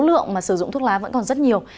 số lượng mà sử dụng thuốc lá vẫn còn rất nhiều